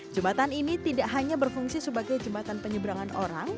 jembatan ini tidak hanya berfungsi sebagai jembatan penyeberangan orang